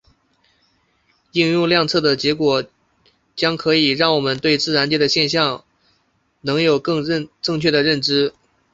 应用量测的结果将可以让我们对自然界的现象能有更正确的认知。